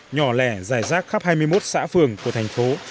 nhỏ lẻ dài rác khắp hai mươi một xã phường của thành phố